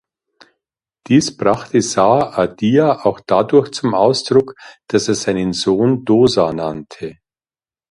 Dies brachte Saʿadia auch dadurch zum Ausdruck, dass er seinen Sohn Dosa nannte.